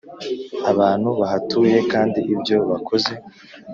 abantu bahatuye kandi ibyo bakoze